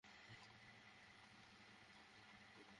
আর শুধু আমার জন্য গাড়ি চালাবে।